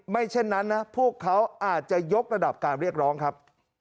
เช่นนั้นนะพวกเขาอาจจะยกระดับการเรียกร้องครับ